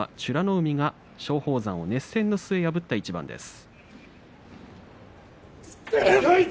海が松鳳山を熱戦の末破った一番です。